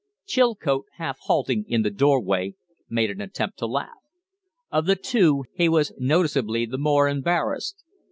Chilcote, half halting in the doorway, made an attempt to laugh. Of the two, he was noticeably the more embarrassed.